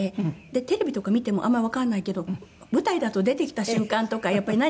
テレビとか見てもあんまりわからないけど舞台だと出てきた瞬間とかやっぱり何かをした瞬間